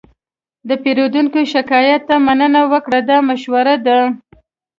د پیرودونکي شکایت ته مننه وکړه، دا مشوره ده.